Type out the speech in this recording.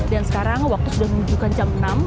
dan sekarang waktu sudah menunjukkan jam enam